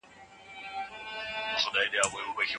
د کندهار ښار ساتونکو د ښار دروازې پرانیستې.